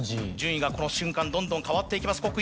順位がこの瞬間どんどん変わっていきます